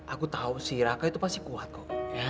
aku tahu si raka itu pasti kuat kok